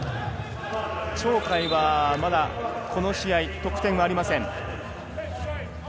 鳥海は、まだこの試合得点はありません。